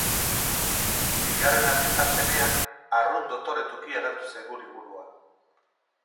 Bigarren argitalpenean arrunt dotoreturik agertu zaigu liburua.